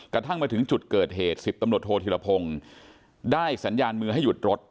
กระทั่งมาถึงจุดเกิดเหตุ๑๐ตำรวจโทษธิรพงศ์ได้สัญญาณมือให้หยุดรถ